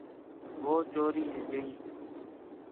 ہو چوریں آ جئیں